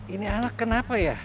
ini anak kenapa ya